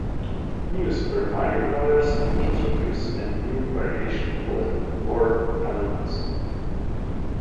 "New Super Mario Brothers" introduced a new variation called warp cannons.